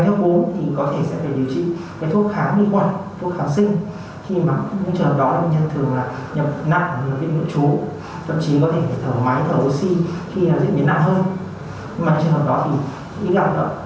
đối với các loại virus virus quẩn nói chung và virus cú nói riêng